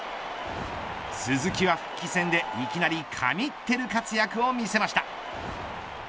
鈴木は復帰戦でいきなり神ってる活躍を見せました。